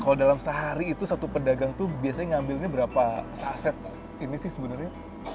kalau dalam sehari itu satu pedagang itu biasanya ngambilnya berapa saset ini sih sebenarnya